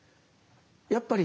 やっぱり